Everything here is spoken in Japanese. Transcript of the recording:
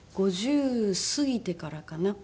５０過ぎてからかな。